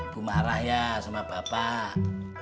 ibu marah ya sama bapak